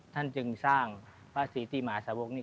ท่านจึงสร้างพระศรีธิมหาสาวกนี่